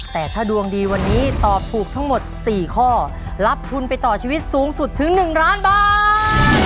แต่ถ้าดวงดีวันนี้ตอบถูกทั้งหมด๔ข้อรับทุนไปต่อชีวิตสูงสุดถึง๑ล้านบาท